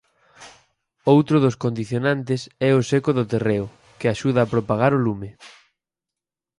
Outro dos condicionantes é o seco do terreo, que axuda a propagar o lume.